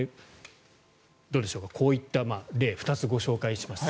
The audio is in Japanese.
どうでしょうか、こういった例を２つご紹介しました。